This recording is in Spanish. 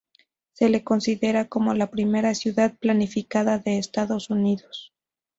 Se le considera como la primera ciudad planificada de Estados Unidos.